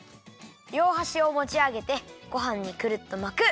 りょうはしをもちあげてごはんにくるっと巻く。